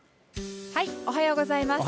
おはようございます。